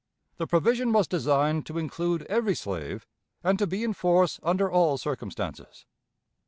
The provision was designed to include every slave, and to be in force under all circumstances.